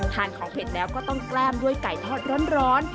ทานของเผ็ดแล้วก็ต้องแกล้มด้วยไก่ทอดร้อน